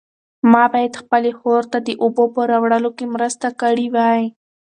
ما باید خپلې خور ته د اوبو په راوړلو کې مرسته کړې وای.